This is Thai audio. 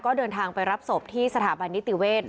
ก็เดินทางไปรับศพที่สถาบันนิติเวศ